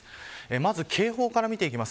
まず警報から見ていきます。